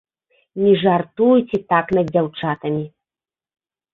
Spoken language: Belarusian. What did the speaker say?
Не жартуйце так над дзяўчатамі!